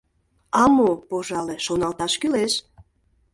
— А мо, пожале, шоналташ кӱлеш!